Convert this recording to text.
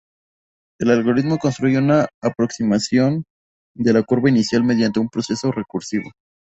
El algoritmo construye una aproximación de la curva inicial mediante un proceso recursivo.